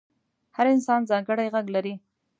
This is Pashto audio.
هر انسان ځانګړی غږ لري.